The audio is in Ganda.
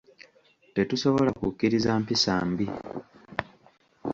Tetusobola kukkiriza mpisa mbi